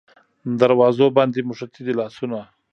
دروازو باندې موښتي دی لاسونه